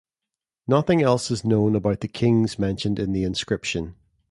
Nothing else is known about the kings mentioned in the inscription.